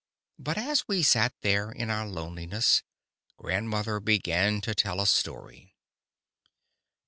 But as we sat there in our loneliness, grandmother began to tell a story.